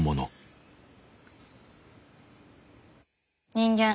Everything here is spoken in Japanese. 人間